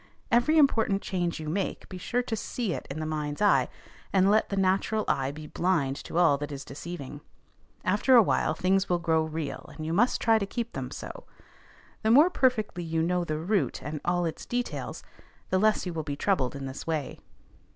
Every important change you make, be sure to "see it" in the mind's eye, and let the natural eye be blind to all that is deceiving. After a while things will grow real, and you must try to keep them so. The more perfectly you know the route and all its details, the less you will be troubled in this way.